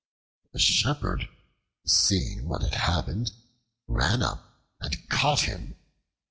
The shepherd, seeing what had happened, ran up and caught him.